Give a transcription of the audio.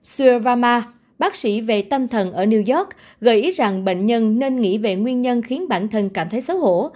sueva bác sĩ về tâm thần ở new york gợi ý rằng bệnh nhân nên nghĩ về nguyên nhân khiến bản thân cảm thấy xấu hổ